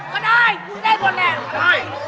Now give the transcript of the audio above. มันอะไร